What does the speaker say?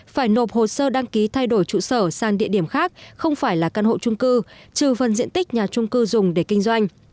phải nộp hồ sơ đăng ký thay đổi trụ sở sang địa điểm khác không phải là căn hộ trung cư trừ phần diện tích nhà trung cư dùng để kinh doanh